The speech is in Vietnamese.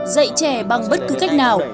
dạy trẻ bằng bất cứ cách nào